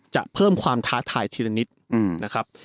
เพิ่มความท้าทายทีละนิดนะครับ